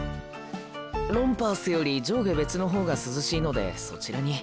ロンパースより上下別のほうが涼しいのでそちらに。